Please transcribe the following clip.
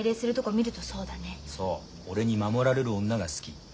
俺に守られる女が好き。